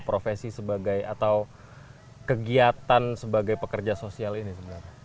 profesi sebagai atau kegiatan sebagai pekerja sosial ini sebenarnya